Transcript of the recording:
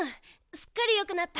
すっかりよくなった。